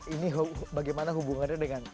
ini bagaimana hubungannya dengan